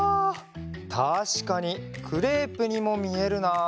たしかにクレープにもみえるな。